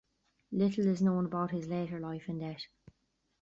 Little is known about his later life and death.